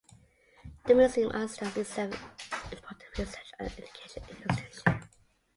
The museum understands itself as an important research and educational institution.